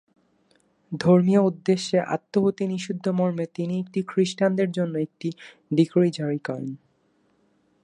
ধর্মীয় উদ্দেশ্যে আত্মাহুতি নিষিদ্ধ মর্মে তিনি একটি খ্রিষ্টানদের জন্য একটি ডিক্রি জারি করেন।